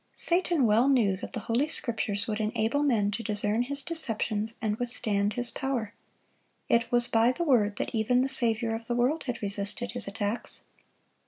(73) Satan well knew that the Holy Scriptures would enable men to discern his deceptions and withstand his power. It was by the Word that even the Saviour of the world had resisted his attacks.